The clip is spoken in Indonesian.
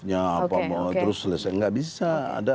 nyapa terus selesai nggak bisa